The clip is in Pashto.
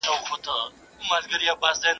د ډېر گران پوښتنه يا اول کېږي يا اخير.